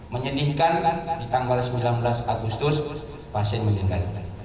menyedihkan di tanggal sembilan belas agustus pasien meninggal